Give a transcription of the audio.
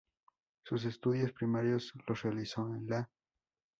Sus estudios primarios los realizó en la "St.